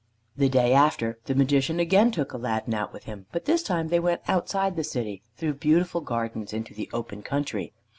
The day after, the Magician again took Aladdin out with him, but this time they went outside the city, through beautiful gardens, into the open country.